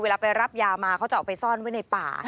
เวลาไปรับยามาเขาจะออกไปซ่อนไว้ในป่า